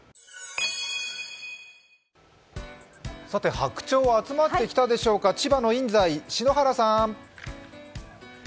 白鳥は集まってきましたでしょうか、千葉の印西、篠原さん。